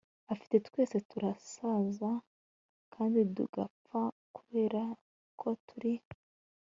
afite twese turasaza kandi tugapfa kubera ko turi